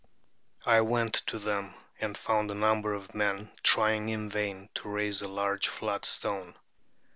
I went to them, and found a number of men trying in vain to raise a large flat stone.